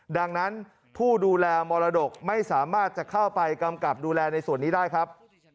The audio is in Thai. ดังนั้นผู้ดูแลมรดกไม่สามารถจะเข้าไปกำกับดูแลในส่วนนี้ได้ครับ